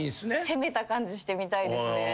攻めた感じしてみたいですね。